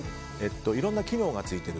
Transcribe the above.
いろんな機能がついている。